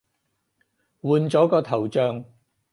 換咗個頭像